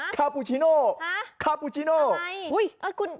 คาปูชิโน่คาปูชิโน่ทำไม